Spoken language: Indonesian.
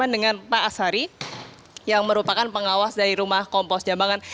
dengan pak asari yang merupakan pengawas dari rumah kompos jambangan